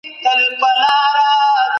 ډیموکراسي د خلګو د ږغ اورېدل دي.